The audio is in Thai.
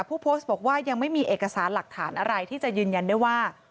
ผู้โพสต์บอกว่ายังไม่มีเอกสารหลักฐานอะไรที่จะยืนยันได้ว่า